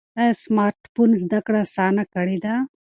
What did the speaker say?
ایا سمارټ فون زده کړه اسانه کړې ده؟